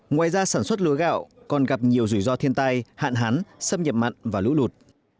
ngoài ra sản xuất lúa gạo còn gặp nhiều rủi ro thiên tai hạn hán xâm nhập mặn và lũ lụt